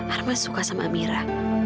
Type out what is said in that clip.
arman suka sama amira